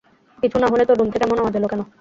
কিছু না হলে তোর রুম থেকে এমন আওয়াজ এলো কেন?